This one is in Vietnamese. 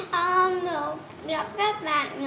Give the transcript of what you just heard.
con không được gặp các bạn nữa